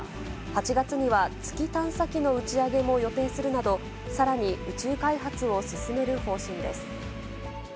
８月には月探査機の打ち上げも予定するなど、さらに宇宙開発を進める方針です。